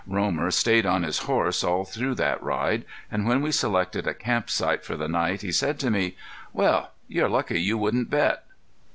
Romer stayed on his horse all through that ride, and when we selected a camp site for the night he said to me: "Well, you're lucky you wouldn't bet."